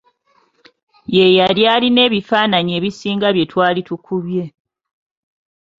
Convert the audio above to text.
Ye yali alina ebifaananyi ebisinga bye twali tukubye.